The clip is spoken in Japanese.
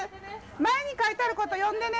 前に書いてあること、読んでね。